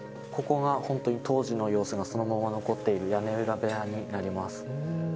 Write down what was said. ここが本当に当時の様子がそのまま残っている屋根裏部屋になります。